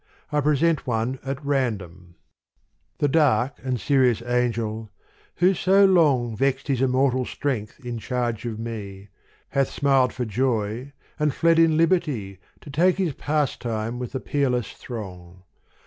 I present one, at random : The dark and serious Angel, who so long Vexed his immortal strength in charge of me, Hath smiled for joy and fled in liberty To take his pastime with the peerless throng.